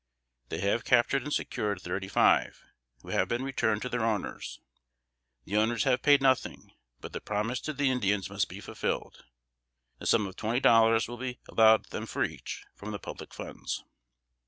They have captured and secured thirty five, who have been returned to their owners. The owners have paid nothing, but the promise to the Indians must be fulfilled. The sum of twenty dollars will be allowed them for each, from the public funds.